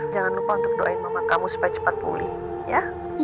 jangan lupa untuk doain mama kamu supaya cepat pulih ya